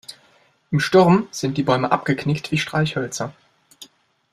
Im Sturm sind die Bäume abgeknickt wie Streichhölzer.